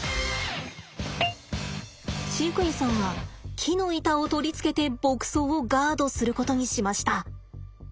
飼育員さんは木の板を取り付けて牧草をガードすることにしました。